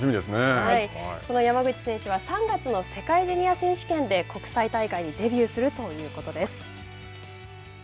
その山口選手は３月の世界ジュニア選手権で国際大会にデビューするということです。